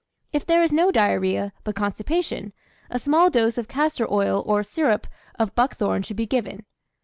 If there is no diarrhoea, but constipation, a small dose of castor oil or syrup of buckthorn should be given.